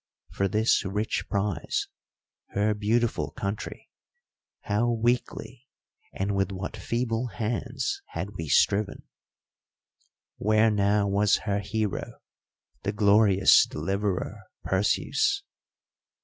For this rich prize, her beautiful country, how weakly and with what feeble hands had we striven! Where now was her hero, the glorious deliverer Perseus?